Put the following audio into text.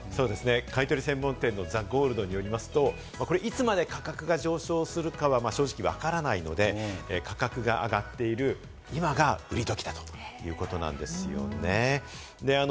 買い取り専門店のザ・ゴールドによりますと、いつまで価格が上昇するかは正直わからないので、価格が上がっている今が売り時だということなんです。